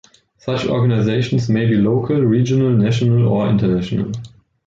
Such organizations may be local, regional, national, or international.